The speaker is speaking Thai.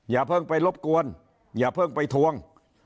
อย่าเพิ่งไปรบกวนอย่าเพิ่งไปทวง